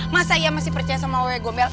masa iya masih percaya sama ww gombel